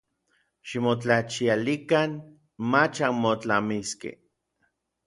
Ximotlachialikan mach anmotlamiskej.